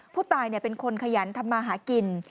ผู้ตายเป็นคนขยันทำมาหากิน